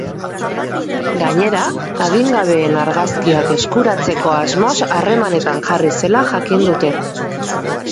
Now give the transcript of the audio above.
Gainera, adingabeen argazkiak eskuratzeko asmoz harremanetan jarri zela jakin dute.